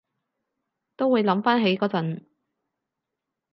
都會諗返起嗰陣